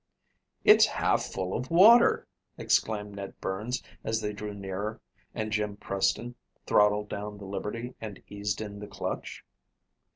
"It's half full of water," exclaimed Ned Burns as they drew nearer and Jim Preston throttled down the Liberty and eased in the clutch.